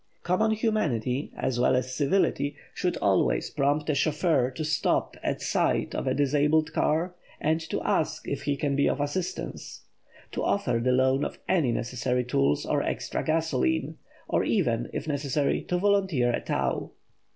Common humanity, as well as civility, should always prompt a chauffeur to stop at sight of a disabled car and to ask if he can be of assistance; to offer the loan of any necessary tools or extra gasoline; or even, if necessary, to volunteer a "tow."